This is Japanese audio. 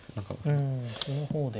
うん歩の方で。